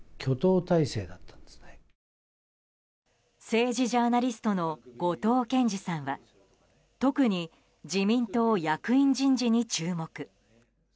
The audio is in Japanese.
政治ジャーナリストの後藤謙次さんは特に自民党役員人事に注目。